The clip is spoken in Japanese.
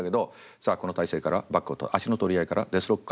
「さあこの体勢からバックを取る足の取り合いからデスロックか？